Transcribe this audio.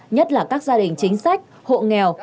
nhất là các gia đình chính sách hộ nghèo